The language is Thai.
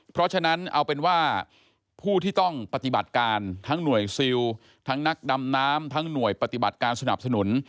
เพราะฉะนั้นเอาเป็นว่าผู้ที่ต้องปฏิบัติการทั้งหน่วยซิลทั้งนักดำน้ำทั้งหน่วยปฏิบัติการสนับสนุน